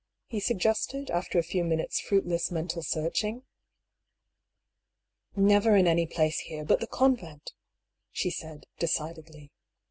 " he suggested, after a few minutes' fruitless mental searching. " Never in any place here but the convent," she said, decidedly.